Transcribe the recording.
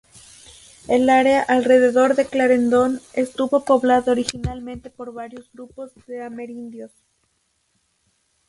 El área alrededor de Clarendon estuvo poblada originalmente por varios grupos de amerindios.